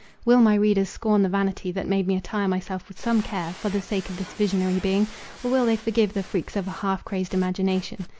Will my readers scorn the vanity, that made me attire myself with some care, for the sake of this visionary being? Or will they forgive the freaks of a half crazed imagination?